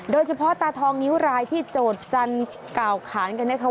โดยเฉพาะตาทองนิ้วรายที่โจทย์จันทร์กล่าวขานกันนะคะ